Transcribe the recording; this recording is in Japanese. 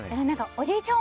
おじいちゃん